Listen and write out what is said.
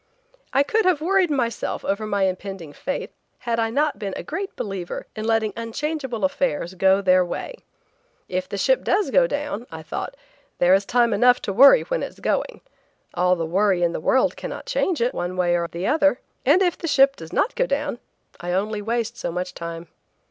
I could have worried myself over my impending fate had I not been a great believer in letting unchangeable affairs go their way. "If the ship does go down," I thought, "there is time enough to worry when it's going. All the worry in the world cannot change it one way or the other, and if the ship does not go down, I only waste so much time."